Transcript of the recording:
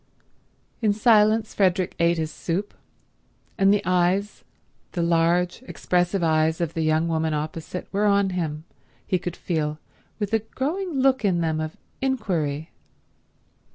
In silence Frederick ate his soup, and the eyes, the large expressive eyes of the young woman opposite, were on him, he could feel, with a growing look in them of inquiry.